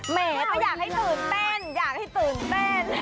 แหมก็อยากให้ตื่นเต้น